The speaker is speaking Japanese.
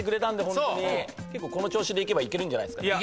この調子でいけばいけるんじゃないですかね。